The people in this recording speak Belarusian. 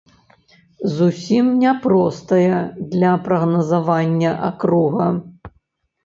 Зусім няпростая для прагназавання акруга.